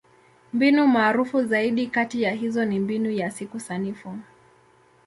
Mbinu maarufu zaidi kati ya hizo ni Mbinu ya Siku Sanifu.